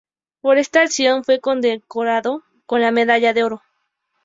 Por esta acción fue condecorado con la medalla del valor.